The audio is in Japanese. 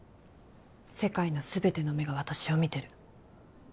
世界の全ての目が私を見てる。